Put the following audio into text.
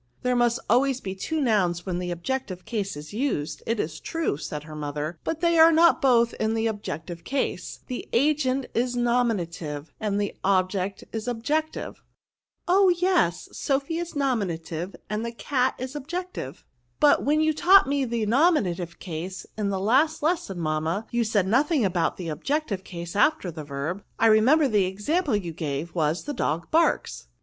" There must always be two nouns when the objective case is used, it is true," said her mother ;" but they are not both in the objective case ; the agent is nominative, and the object is objective. " Oh! 'yes, Sophy is nominative, and cat is objective. But when you taught me the nominative case in the last lesson, mamma, you said nothing about the objective case after the verb ; I remember the example you gave was, the dog barks."